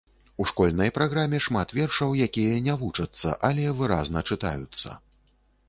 У школьнай праграме шмат вершаў, якія не вучацца, але выразна чытаюцца.